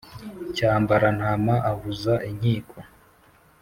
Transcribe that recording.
Cyambarantama ahuza inkiko